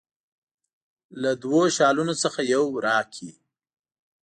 له دوه شالونو څخه یو راکړي.